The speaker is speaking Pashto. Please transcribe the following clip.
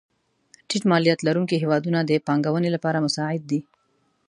ټیټ مالیات لرونکې هېوادونه د پانګونې لپاره مساعد دي.